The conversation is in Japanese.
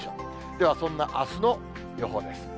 ではそんなあすの予報です。